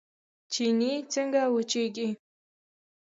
چينې څنګه وچیږي؟